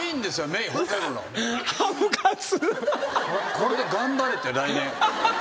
これで頑張れって来年。